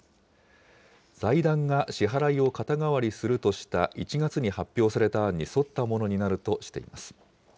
財団が支払いを肩代わりするとした１月に発表された案に沿ったものになるとしています。